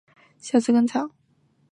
小蛇根草